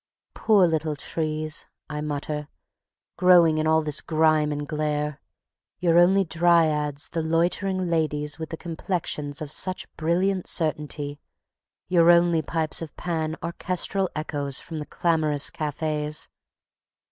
"Poor little trees," I mutter, "growing in all this grime and glare, your only dryads the loitering ladies with the complexions of such brilliant certainty, your only Pipes of Pan orchestral echoes from the clamorous cafes.